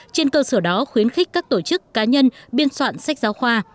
trên cơ sở đó khuyến khích các tổ chức cá nhân biên soạn sách giáo khoa